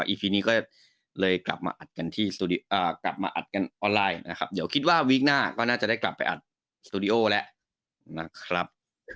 อีพีนี้ก็เลยกลับมาอัดกันออนไลน์นะครับเดี๋ยวคิดว่าวีคหน้าก็น่าจะได้กลับไปอัดสตูดิโอและนะครับ